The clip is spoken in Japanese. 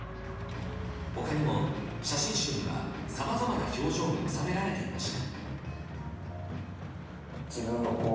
他にも写真集には、さまざまな表情が収められていました。